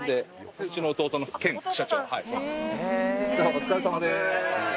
お疲れさまです。